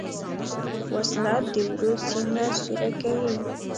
وسله د ورور سینه سوری کوي